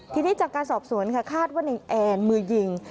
ทีนี้จากการสอบสวนค่ะคาดว่าในแอนมือยิง